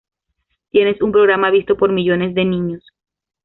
Tienes un programa visto por millones de niños.